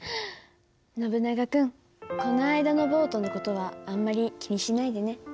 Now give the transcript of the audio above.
「ノブナガ君この間のボートの事はあんまり気にしないでね。